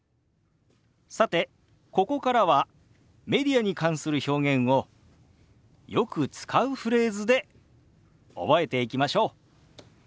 さてここからはメディアに関する表現をよく使うフレーズで覚えていきましょう。